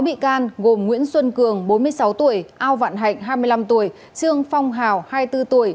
bốn bị can gồm nguyễn xuân cường bốn mươi sáu tuổi ao vạn hạnh hai mươi năm tuổi trương phong hào hai mươi bốn tuổi